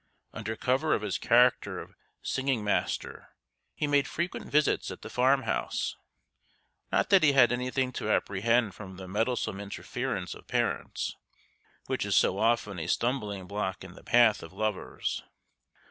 Under cover of his character of singing master, he made frequent visits at the farm house; not that he had anything to apprehend from the meddlesome interference of parents, which is so often a stumbling block in the path of lovers.